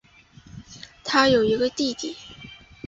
她有一个弟弟。